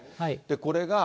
これが。